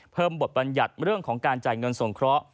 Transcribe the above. บทบัญญัติเรื่องของการจ่ายเงินสงเคราะห์